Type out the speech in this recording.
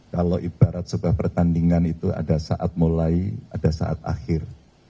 kalau ibarat sebuah pertandingan itu ada saat mulai ada saat akhir